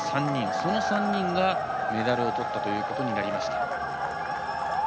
その３人がメダルをとったということになりました。